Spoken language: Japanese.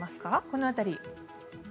この辺り。